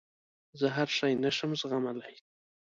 زه هر شی نه شم زغملای.